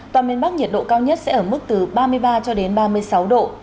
toàn miền bắc nhiệt độ cao nhất sẽ ở mức từ ba mươi ba cho đến ba mươi sáu độ